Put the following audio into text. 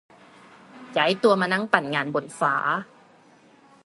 ย้ายตัวมานั่งปั่นงานบนฟ้า